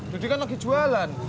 daddy kan lagi jualan